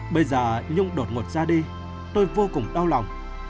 bây giờ nhung đột ngột ra đi tôi vô cùng đau lòng